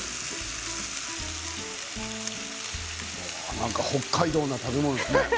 なんか北海道の食べ物ですね。